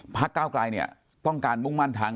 ก้าวไกลเนี่ยต้องการมุ่งมั่นทาง